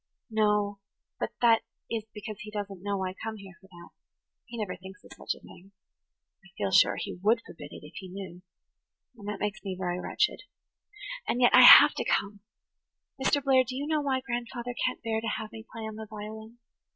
"No, but that is because he doesn't know I come here for that. He never thinks of such a thing. I feel sure he would forbid it, if he knew. And that makes me very wretched. And yet I have to come. Mr. Blair, do you know why grandfather can't bear to have me play on the violin?